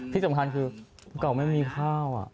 ที่สำคัญคือเก่าไม่มีข้าว